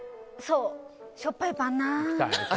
そう、しょっぱいパンな。